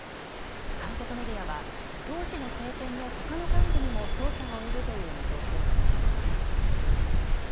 韓国メディアは当時の政権のほかの幹部にも捜査が及ぶという見通しを伝えています。